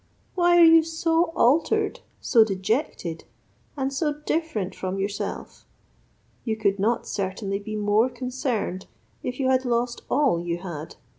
"Why are you so altered, so dejected, and so different from yourself? You could not certainly be more concerned, if you had lost all you had.